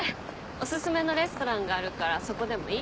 おすすめのレストランがあるからそこでもいい？